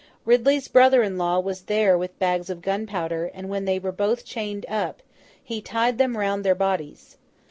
Ridley's brother in law was there with bags of gunpowder; and when they were both chained up, he tied them round their bodies.